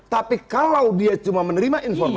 tapi kalau dia cuma menerima informasi